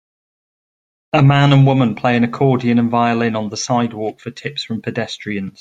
A man and a woman play an accordion and violin on the sidewalk for tips from pedestrians.